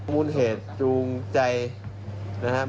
อวุฒนเหตุจูงใจนะครับ